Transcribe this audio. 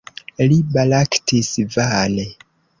Li baraktis vane.